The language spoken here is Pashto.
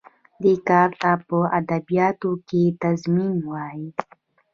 دې کار ته په ادبیاتو کې تضمین وايي.